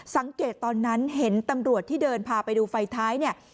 สังเกตตอนนั้นเห็นตำรวจที่เดินพาไปดูไฟท้ายเนี่ย